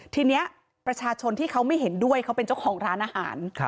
ทีนี้ประชาชนที่เขาไม่เห็นด้วยเขาเป็นเจ้าของร้านอาหาร